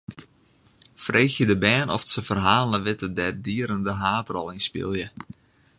Freegje de bern oft se ferhalen witte dêr't dieren de haadrol yn spylje.